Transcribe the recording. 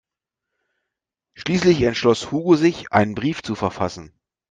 Schließlich entschloss Hugo sich, einen Brief zu verfassen.